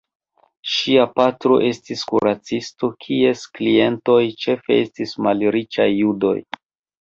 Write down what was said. Ŝia patro estis kuracisto kies klientoj ĉefe estis malriĉaj judoj.